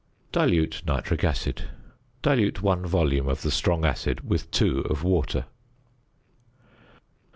~Dilute Nitric Acid.~ Dilute 1 volume of the strong acid with 2 of water.